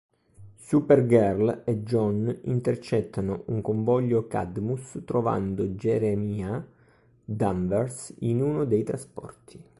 Supergirl e J'onn intercettano un convoglio Cadmus, trovando Jeremiah Danvers in uno dei trasporti.